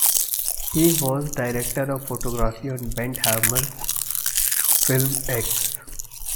He was director of photography on Bent Hamer's film "Eggs".